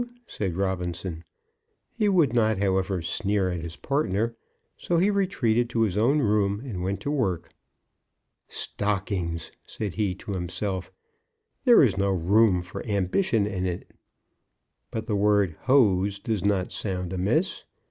said Robinson. He would not, however, sneer at his partner, so he retreated to his own room, and went to work. "Stockings!" said he to himself. "There is no room for ambition in it! But the word 'Hose' does not sound amiss."